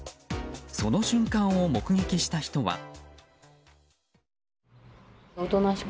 その瞬間を目撃した人は。